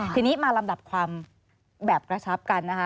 ทีนี้มาลำดับความแบบกระชับกันนะคะ